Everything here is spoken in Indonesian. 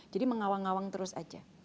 jadi mengawang awang terus aja